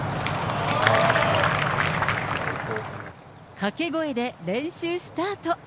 かけ声で練習スタート。